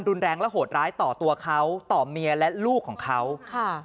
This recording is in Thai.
รุนแรงและโหดร้ายต่อตัวเขาต่อเมียและลูกของเขาค่ะ